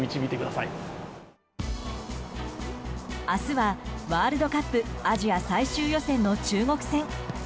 明日はワールドカップアジア最終予選の中国戦。